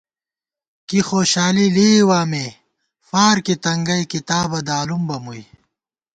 کی خوشالی لېئیوا مےفارکی تنگَئ کِتابہ دالُم بہ مُوئی